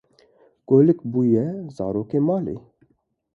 Golik bûye zarokê malê.